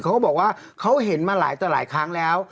เค้าบอกว่าเค้าเห็นมาหลายครั้งแหล้ว